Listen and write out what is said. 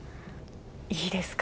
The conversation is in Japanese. いいですか？